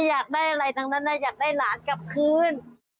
อยากได้อะไรทั้งนั้นอยากได้หลานกลับคืน